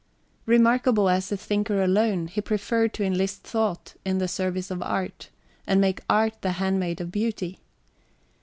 Remarkable as a thinker alone, he preferred to enlist thought in the service of art, and make art the handmaid of beauty.